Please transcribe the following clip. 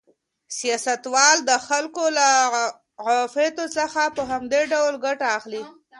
سیاستوال د خلکو له عواطفو څخه په همدې ډول ګټه اخلي.